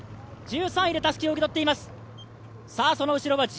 １３位でたすきを受け取っています。